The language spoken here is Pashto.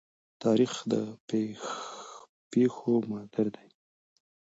تاریخ د پېښو مادر دی.